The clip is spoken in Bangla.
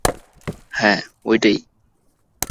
হ্যাঁ, ঐটাই!